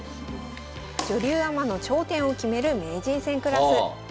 女流アマの頂点を決める名人戦クラス。